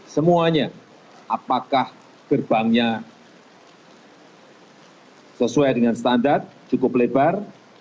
semuanya apakah gerbangnya sesuai dengan standar cukup lebar